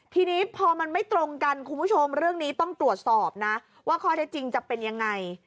ทีนี้พอมันไม่ตรงกันคุณผู้ชมเรื่องนี้ต้องตรวจสอบนะว่าข้อเท็จจริงจะเป็นยังไง